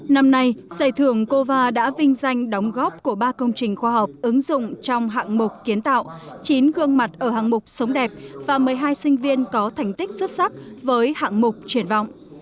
năm nay giải thưởng cova đã vinh danh đóng góp của ba công trình khoa học ứng dụng trong hạng mục kiến tạo chín gương mặt ở hạng mục sống đẹp và một mươi hai sinh viên có thành tích xuất sắc với hạng mục triển vọng